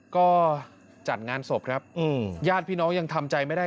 ก็จัดงานศพครับญาติพี่น้องยังทำใจไม่ได้